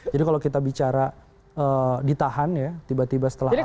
jadi kalau kita bicara ditahan ya tiba tiba setelah april